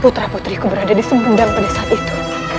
putra putriku berada di sempurna pada saat itu